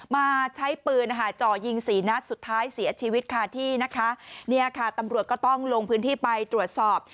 มาใช้ปืนจ่อยิง๔นัดสุดท้ายเสียชีวิตค่ะที่ตำรวจก็ต้องลงพื้นที่ไปตรวจสอบ